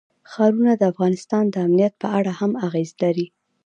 ښارونه د افغانستان د امنیت په اړه هم اغېز لري.